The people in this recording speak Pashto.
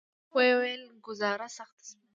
ویې ویل: ګوزاره سخته شوه.